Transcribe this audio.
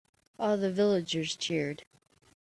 All the villagers cheered.